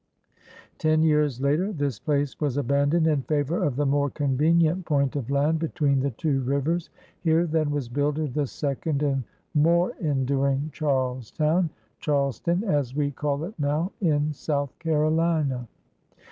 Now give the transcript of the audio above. Ten years later this place was abandoned in favor of the more convenient point of land between the two rivers. Here then was builded the second and more enduring Charles Town — Charleston, as we call it now, in South Carolina.